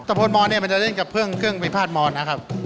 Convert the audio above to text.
พลมอนเนี่ยมันจะเล่นกับเครื่องไปพาดมอนนะครับ